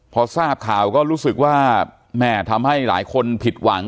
พอทราบข่าวก็รู้สึกว่าแม่ทำให้หลายคนผิดหวัง